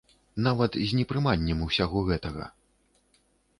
Нават з непрыманнем усяго гэтага.